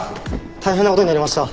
大変なことになりました。